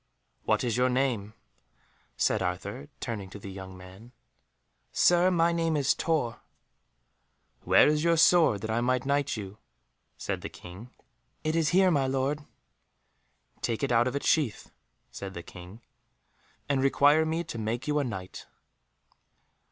"What is your name?" said Arthur, turning to the young man. "Sir, my name is Tor." "Where is your sword that I may knight you?" said the King. "It is here, my lord." "Take it out of its sheath," said the King, "and require me to make you a Knight."